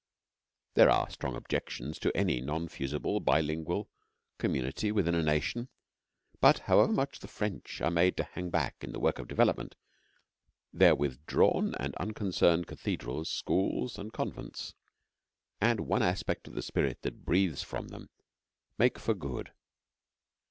There are strong objections to any non fusible, bi lingual community within a nation, but however much the French are made to hang back in the work of development, their withdrawn and unconcerned cathedrals, schools, and convents, and one aspect of the spirit that breathes from them, make for good.